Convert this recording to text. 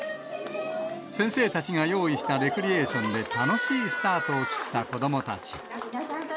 先生たちが用意したレクリエーションで、楽しいスタートを切った子どもたち。